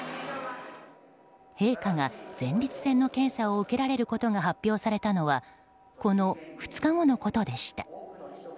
陛下が前立腺の検査を受けられることが発表されたのはこの２日後のことでした。